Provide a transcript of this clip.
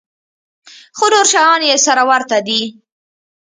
خو نور شيان يې سره ورته دي.